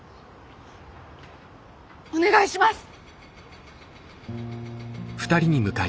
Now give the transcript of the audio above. お願いします！